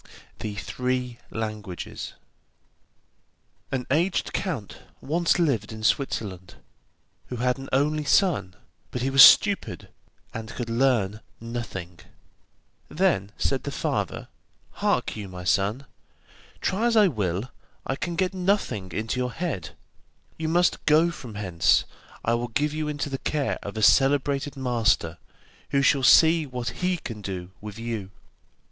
THE THREE LANGUAGES An aged count once lived in Switzerland, who had an only son, but he was stupid, and could learn nothing. Then said the father: 'Hark you, my son, try as I will I can get nothing into your head. You must go from hence, I will give you into the care of a celebrated master, who shall see what he can do with you.